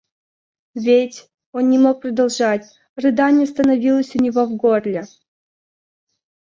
Ведь...— он не мог продолжать, рыдание остановилось у него в горле.